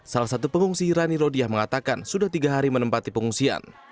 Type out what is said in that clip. salah satu pengungsi rani rodiah mengatakan sudah tiga hari menempati pengungsian